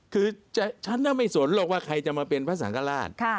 คือฉันน่ะไม่สนหรอกว่าใครจะมาเป็นพระสังฆราช